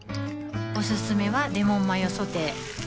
おすすめはレモンマヨソテー